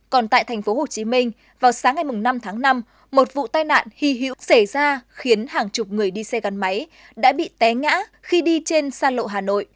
còn tại thành phố hồ chí minh vào sáng ngày năm tháng năm một vụ tai nạn hy hữu xảy ra khiến hàng chục người đi xe gắn máy đã bị té ngã khi đi trên sa lộ hà nội